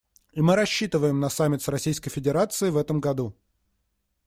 И мы рассчитываем на саммит с Российской Федерацией в этом году.